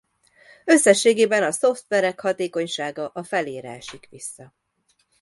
Összességében a szoftverek hatékonysága a felére esik vissza.